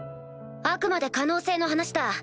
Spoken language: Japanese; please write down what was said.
あくまで可能性の話だ。